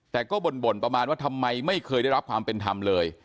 แต่ก็บ่นประมาณว่าทำไมไม่เคยได้รับความเป็นธรรมเลย